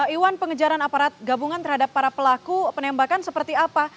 iwan pengejaran aparat gabungan terhadap para pelaku penembakan seperti apa